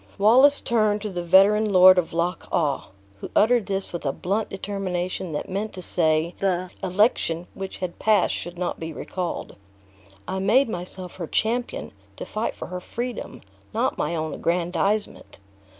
Wallace turned to the veteran Lord of Loch awe, who uttered this with a blunt determination that meant to say, the election which had passed should not be recalled. "I made myself her champion, to fight for her freedom, not my own aggrandizement.